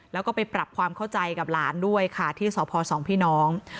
แล้วก็ไปปรับความเข้าใจกับหลานด้วยค่ะที่สพสองพี่น้อง